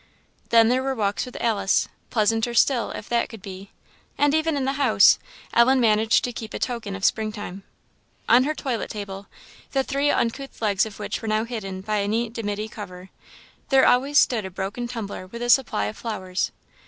Then there were walks with Alice, pleasanter still, if that could be. And even in the house, Ellen managed to keep a token of spring time. On her toilet table, the three uncouth legs of which were now hidden by a neat dimity cover, there always stood a broken tumbler with a supply of flowers.